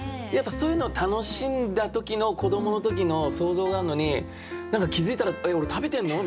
そういうのを楽しんだ時の子どもの時の想像があるのに何か気付いたら「えっ俺食べてんの？」みたいな。